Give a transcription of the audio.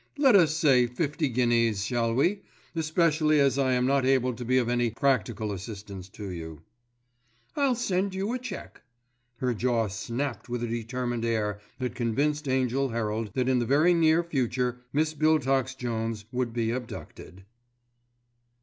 Let us say fifty guineas, shall we, especially as I am not able to be of any practical assistance to you." "I'll send you a cheque." Her jaw snapped with a determined air that convinced Angell Herald that in the very near future Miss Biltox Jones would be abducted.